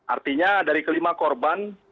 artinya dari kelima korban